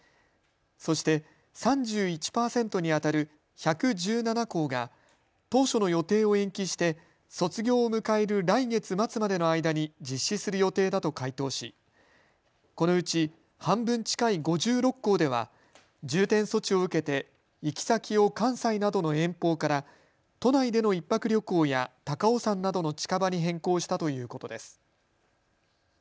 そして３１％にあたる１１７校が当初の予定を延期して卒業を迎える来月末までの間に実施する予定だと回答しこのうち半分近い５６校では重点措置を受けて行き先を関西などの遠方から都内での１泊旅行や高尾山などの近場に変更したということです。